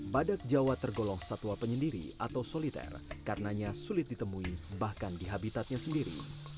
badak jawa tergolong satwa penyendiri atau soliter karenanya sulit ditemui bahkan di habitatnya sendiri